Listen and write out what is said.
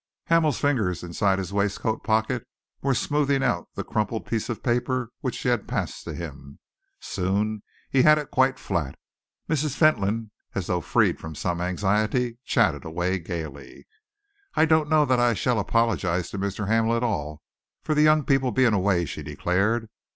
Hamel's fingers inside his waistcoat pocket were smoothing out the crumpled piece of paper which she had passed to him. Soon he had it quite flat. Mrs. Fentolin, as though freed from some anxiety, chattered away gaily. "I don't know that I shall apologise to Mr. Hamel at all for the young people being away," she declared.